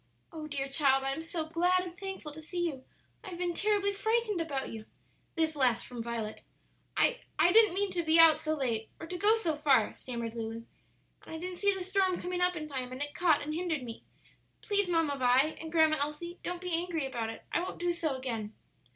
"Oh, dear child, I am so glad and thankful to see you; I have been terribly frightened about you!" This last from Violet. "I I didn't mean to be out so late or to go so far," stammered Lulu. "And I didn't see the storm coming up in time, and it caught and hindered me. Please, Mamma Vi, and Grandma Elsie, don't be angry about it. I won't do so again."